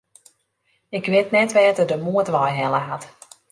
Ik wit net wêr't er de moed wei helle hat.